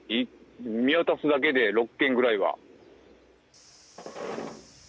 見渡すだけで６軒ぐらいは。